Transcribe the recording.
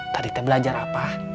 tadi teh belajar apa